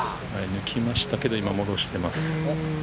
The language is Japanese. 抜きましたけど、今、戻します。